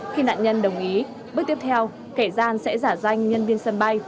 khi nạn nhân đồng ý bước tiếp theo kẻ gian sẽ giả danh nhân viên sân bay